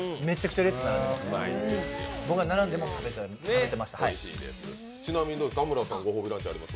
僕は並んでも食べてます。